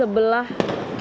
berkumpul di depan bawah selu